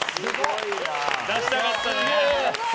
出したかったな。